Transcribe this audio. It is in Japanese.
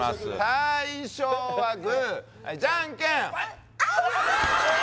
最初はグーじゃんけんあーっ！